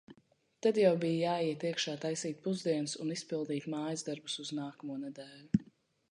Tad jau bija jāiet iekšā taisīt pusdienas un izpildīt mājas darbus uz nākamo nedēļu.